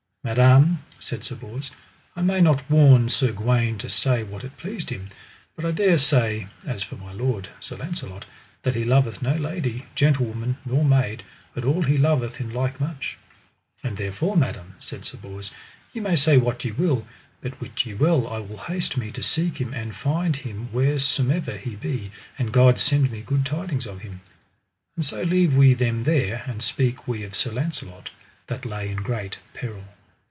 Madam, said Sir Bors, I may not warn Sir Gawaine to say what it pleased him; but I dare say, as for my lord, Sir Launcelot, that he loveth no lady, gentlewoman, nor maid, but all he loveth in like much. And therefore madam, said Sir Bors, ye may say what ye will, but wit ye well I will haste me to seek him, and find him wheresomever he be, and God send me good tidings of him. And so leave we them there, and speak we of Sir Launcelot that lay in great peril.